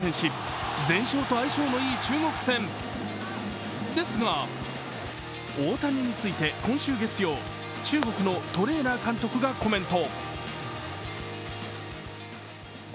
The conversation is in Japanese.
過去、ＷＢＣでは４度対戦し全勝と相性のいい中国戦ですが、大谷について、今週月曜、中国のトレーナー監督がコメント。